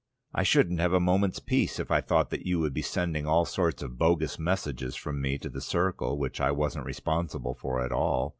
"I shouldn't have a moment's peace if I thought that you would be sending all sorts of bogus messages from me to the circle, which I wasn't responsible for at all.